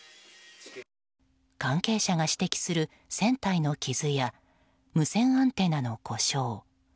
関係者が指摘する船体の傷や無線アンテナの故障。